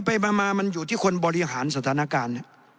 ไปมามันอยู่ที่คนบริหารสถานการณ์